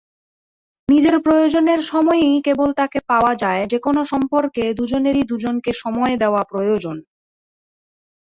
নিজের প্রয়োজনের সময়ই কেবল তাঁকে পাওয়া যায়যেকোনো সম্পর্কে দুজনেরই দুজনকে সময় দেওয়া প্রয়োজন।